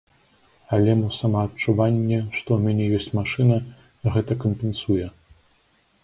Але мо самаадчуванне, што ў мяне ёсць машына, гэта кампенсуе.